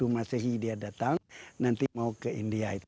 enam ratus tujuh puluh satu masihi dia datang nanti mau ke india itu